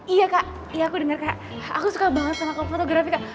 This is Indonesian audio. iya kak iya aku denger kak aku suka banget sama klub fotografi kak